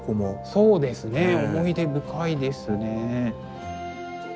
そうですね思い出深いですね。